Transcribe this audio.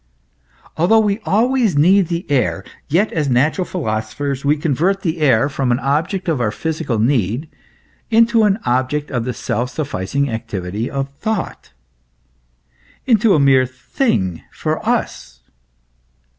"* Although we always need the air, yet as natural philosophers we convert the air from an object of our physical need into an object of the self sufficing activity of thought, i.e. into a mere thing for us.